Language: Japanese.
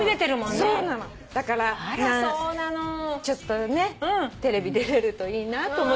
だからちょっとねテレビ出れるといいなと思って。